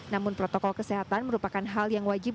namun protokol kesehatan merupakan hal yang wajib